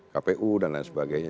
kpu dan lain sebagainya